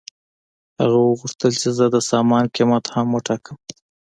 هغه وغوښتل چې زه د سامان قیمت هم وټاکم